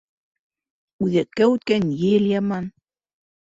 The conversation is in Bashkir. Үҙәккә үткән ел яман